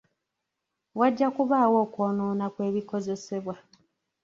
Wajja kubaawo okwonoona kw’ebikozesebwa.